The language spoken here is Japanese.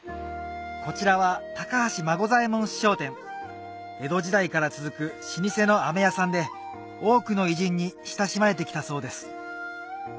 こちらは江戸時代から続く老舗の飴屋さんで多くの偉人に親しまれてきたそうです